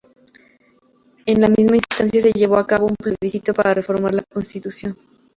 En la misma instancia se llevó a cabo un plebiscito para reformar la Constitución.